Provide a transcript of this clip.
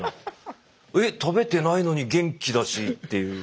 食べてないのに元気だしっていう。